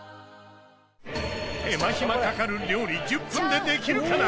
手間暇かかる料理１０分でできるかな？